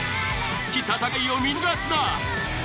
熱き戦いを見逃すな！